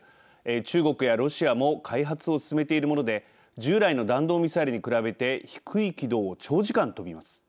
中国やロシアも開発を進めているもので従来の弾道ミサイルに比べて低い軌道を長時間、飛びます。